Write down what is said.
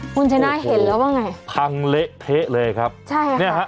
คุณชนะเห็นแล้วว่าไงพังเละเทะเลยครับใช่ค่ะเนี่ยฮะ